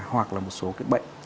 hoặc là một số bệnh